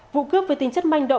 vụ cướp với tính chất manh động